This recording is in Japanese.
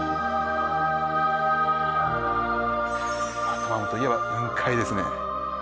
トマムといえば雲海ですね